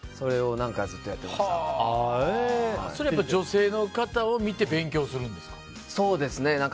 女性の肩を見て勉強するんですか？